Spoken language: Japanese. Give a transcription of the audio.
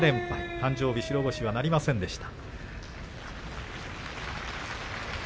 誕生日の白星はなりませんでした。